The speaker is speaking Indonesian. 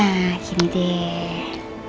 nah gini deh